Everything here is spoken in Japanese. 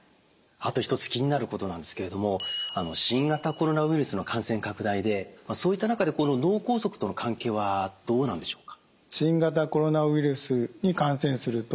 あと一つ気になることなんですけれども新型コロナウイルスの感染拡大でそういった中でこの脳梗塞との関係はどうなんでしょうか？